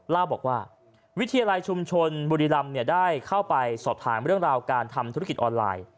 เล่าบอกว่าวิทยาลัยชุมชนบุรีรำได้เข้าไปสอบถามเรื่องราวการทำธุรกิจออนไลน์